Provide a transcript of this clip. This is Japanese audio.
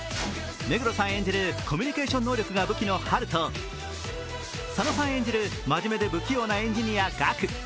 目黒さん演じるコミュニケーション能力が武器のハルと佐野さん演じるまじめで不器用なエンジニア・ガク。